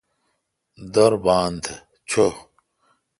دور بان تھا چو۔